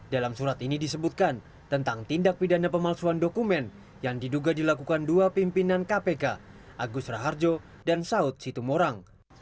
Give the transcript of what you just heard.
dalam surat ini disebutkan tentang tindak pidana pemalsuan dokumen yang diduga dilakukan dua pimpinan kpk agus raharjo dan saud situmorang